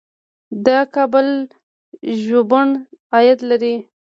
د کابل ژوبڼ عاید لري